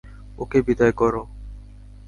ওকে বিদায় করো।